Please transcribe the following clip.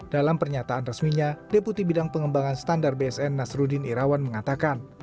dalam pernyataan resminya deputi bidang pengembangan standar bsn nasruddin irawan mengatakan